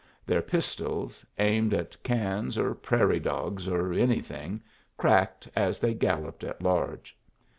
Their pistols, aimed at cans or prairie dogs or anything, cracked as they galloped at large.